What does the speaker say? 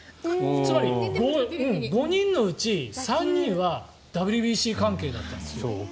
つまり、５人のうち３人はＷＢＣ関係だったんですよ。